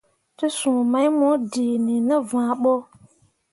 Tesũũ mai mo dǝǝni ne vããɓo.